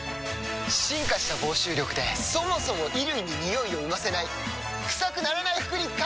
進化した防臭力でそもそも衣類にニオイを生ませない臭くならない服に変えよう！